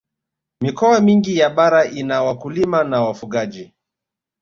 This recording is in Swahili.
mikoa mingi ya bara ina wakulima na wafugaji